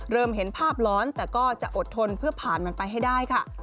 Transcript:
เห็นภาพร้อนแต่ก็จะอดทนเพื่อผ่านมันไปให้ได้ค่ะ